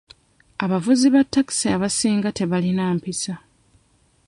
Abavuzi ba ttakisi abasinga tebalina mpisa.